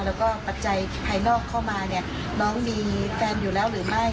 แล้วก็ปัจจัยภายนอกเข้ามาเนี่ยน้องมีแฟนอยู่แล้วหรือไม่